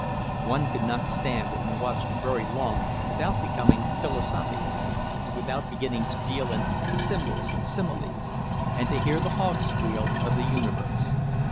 One could not stand and watch very long without becoming philosophical, without beginning to deal in symbols and similes, and to hear the hog squeal of the universe.